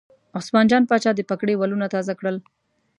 عثمان جان پاچا د پګړۍ ولونه تازه کړل.